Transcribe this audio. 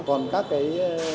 còn các cái